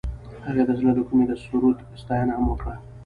هغې د زړه له کومې د سرود ستاینه هم وکړه.